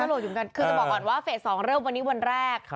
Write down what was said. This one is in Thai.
คือจะบอกก่อนว่าเฟส๒เริ่มวันนี้วันแรก